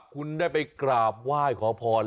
คุณได้ไปกราบไหว้ขอพร